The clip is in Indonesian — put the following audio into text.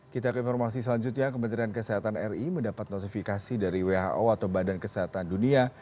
kita ke informasi selanjutnya kementerian kesehatan ri mendapat notifikasi dari who atau badan kesehatan dunia